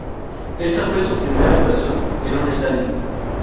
Esta fue su primera actuación en un estadio.